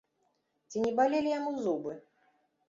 Ці не балелі яму зубы?